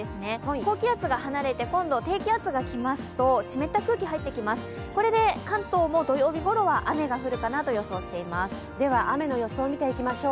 高気圧が離れて今度低気圧が来ますと湿った空気が入ってきます、これで関東も土曜日ごろは雨の予想を見ていきましょう。